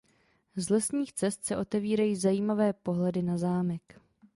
Z lesních cest se otvírají zajímavé pohledy na zámek.